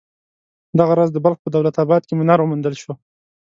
دغه راز د بلخ په دولت اباد کې منار وموندل شو.